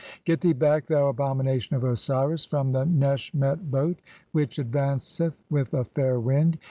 Get thee back, thou abomination of Osiris, from the "Neshmet boat .... which (4) advanceth with a fair wind.